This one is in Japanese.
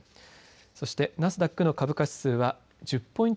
そして、ナスダックの株価指数は１０ポイント